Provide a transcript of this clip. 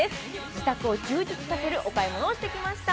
自宅を充実させるお買い物をしてきました。